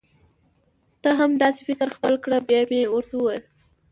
ته هم دا سي فکر خپل کړه بیا مي ورته وویل: